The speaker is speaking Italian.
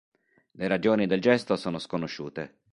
Le ragioni del gesto sono sconosciute.